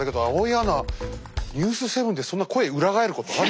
アナ「ニュース７」でそんな声裏返ることある？